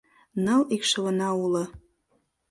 Ныл икшывына уло.